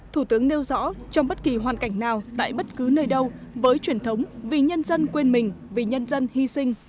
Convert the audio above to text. thủ tướng nêu rõ trong bất kỳ hoàn cảnh nào tại bất cứ nơi đâu với truyền thống vì nhân dân quên mình vì nhân dân hy sinh